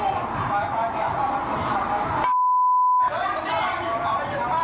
รับข่าวจบข้ากลิ่นหรือสาทกลับข้าซะ